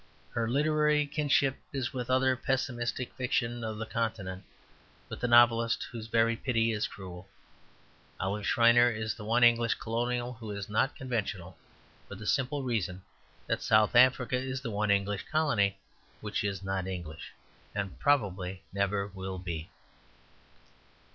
Her literary kinship is with the pessimistic fiction of the continent; with the novelists whose very pity is cruel. Olive Schreiner is the one English colonial who is not conventional, for the simple reason that South Africa is the one English colony which is not English, and probably never will be.